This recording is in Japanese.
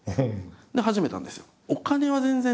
で始めたんですよ。